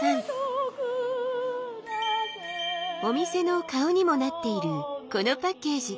お店の顔にもなっているこのパッケージ。